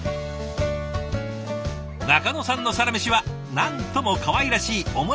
仲野さんのサラメシはなんともかわいらしいオムライス弁当。